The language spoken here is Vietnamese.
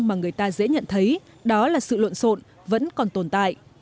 mà người ta dễ nhận thấy đó là sự lộn xộn vẫn còn tồn tại